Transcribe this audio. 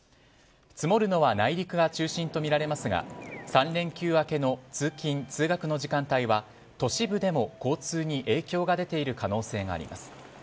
積もるのは内陸が中心とみられますが３連休明けの通勤、通学の時間帯は都市部でも交通に影響が出ている可能性があります。